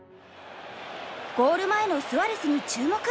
ゴール前のスアレスに注目。